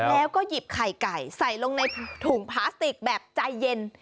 แล้วก็หยิบไข่ไก่ใส่ลงในถุงพลาสติกแบบใจเย็น